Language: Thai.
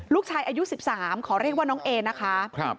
ลูกชายอายุ๑๓ขอเรียกว่าน้องเอนะคะ